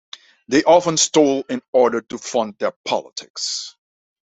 They often stole in order to fund their politics.